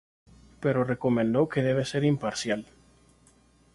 Pero recomendó que debe ser imparcial.